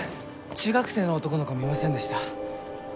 中学生の男の子見ませんでした？